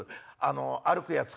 歩くやつ